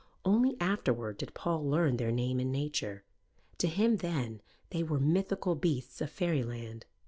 Only afterward did Paul learn their name and nature: to him then they were mythical beasts of fairyland.